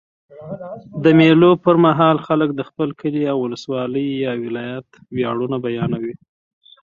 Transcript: د مېلو پر مهال خلک د خپل کلي، اولسوالۍ یا ولایت ویاړونه بیانوي.